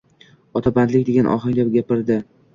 Ota bandalik degan ohangda gapirdi